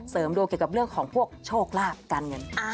เสริมดวงเกี่ยวกับเรื่องของพวกโชคลาภการเงิน